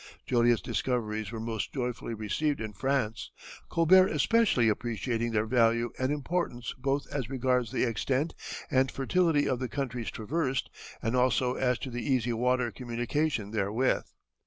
Joliet's discoveries were most joyfully received in France, Colbert especially appreciating their value and importance both as regards the extent and fertility of the countries traversed and also as to the easy water communication therewith.